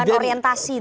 perubahan orientasi tadi